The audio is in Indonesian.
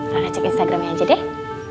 rara cek instagramnya aja deh